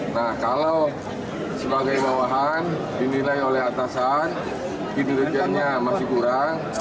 nah kalau sebagai bawahan dinilai oleh atasan kinerjanya masih kurang